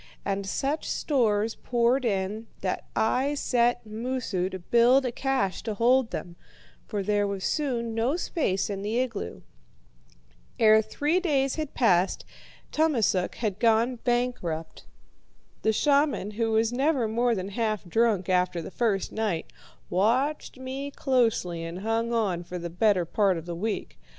And such stores poured in that I set Moosu to build a cache to hold them, for there was soon no space in the igloo. Ere three days had passed Tummasook had gone bankrupt. The shaman, who was never more than half drunk after the first night, watched me closely and hung on for the better part of the week.